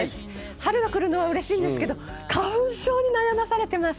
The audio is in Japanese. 春が来るのは嬉しいですけど、花粉症に悩まされています。